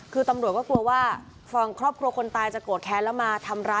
คือตำรวจก็กลัวว่าฝั่งครอบครัวคนตายจะโกรธแค้นแล้วมาทำร้าย